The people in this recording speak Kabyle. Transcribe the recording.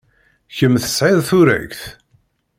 Kemm tesɛid turagt.